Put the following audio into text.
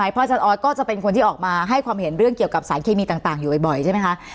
เพราะอาจารย์ออสก็จะเป็นคนที่ออกมาให้ความเห็นเรื่องเกี่ยวกับสารเคมีต่างอยู่บ่อยใช่ไหมคะ